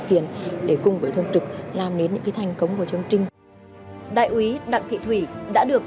kiện để cùng với thường trực làm đến những thành công của chương trình đại úy đặng thị thủy đã được